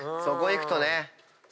そこへ行くとね。